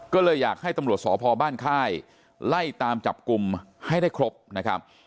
ก็เลยอยากให้ตำรวจสพบ้านค่ายไล่ตามจับกลุ่มให้ได้ครบนะครับ